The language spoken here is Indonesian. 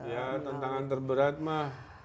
ya tantangan terberat mah